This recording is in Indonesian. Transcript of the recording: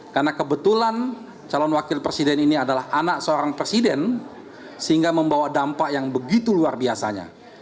karena kebetulan calon wakil presiden ini adalah anak seorang presiden sehingga membawa dampak yang begitu luar biasanya